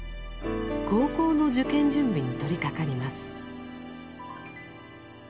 高校の受験準備に取りかかります。